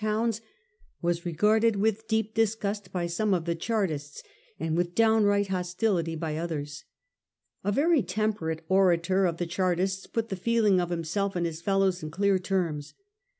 towns, was regarded with, deep disgust by some of the Chartists, and with downright hostility by others. A very temperate orator of the Chartists put the feeling of himself and his fellows in clear terms.